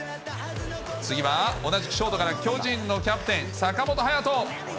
次は同じくショートから巨人のキャプテン、坂本勇人。